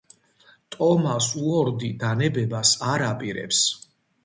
ტომას უორდი დანებებას არ აპირებს.